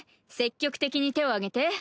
積極的に手を挙げて。